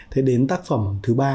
thế đến tác phẩm thứ ba